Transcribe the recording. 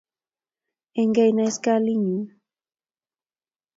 Enkai naisiligayu